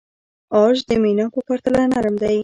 عاج د مینا په پرتله نرم دی.